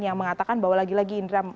yang mengatakan bahwa lagi lagi indra